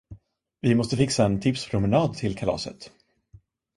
Vi måste fixa en tipspromenad till kalaset.